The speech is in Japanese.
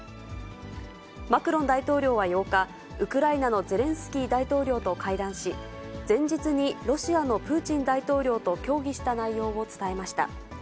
マクロン大統領は８日、ウクライナのゼレンスキー大統領と会談し、前日にロシアのプーチン大統領と協議した内容を伝えました。